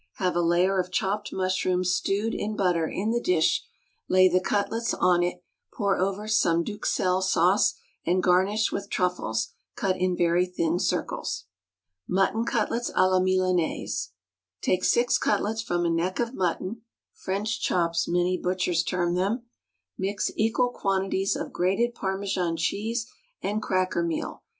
Have a layer of chopped mushrooms stewed in butter in the dish, lay the cutlets on it, pour over some d'Uxelles sauce, and garnish with truffles, cut in very thin circles. Mutton Cutlets à la Milanais. Take six cutlets from a neck of mutton ("French chops," many butchers term them), mix equal quantities of grated Parmesan cheese and cracker meal.